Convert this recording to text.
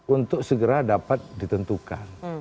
untuk segera dapat ditentukan